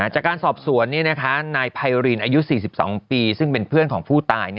จากการสอบสวนนายไพรินอายุ๔๒ปีซึ่งเป็นเพื่อนของผู้ตาย